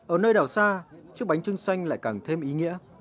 ở nơi đảo xa chiếc bánh trưng xanh lại càng thêm ý nghĩa